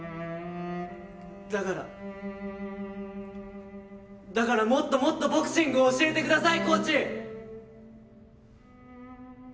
だからだからもっともっとボクシングを教えてくださいコーチ！